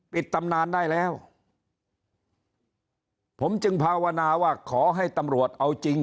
ตำนานได้แล้วผมจึงภาวนาว่าขอให้ตำรวจเอาจริง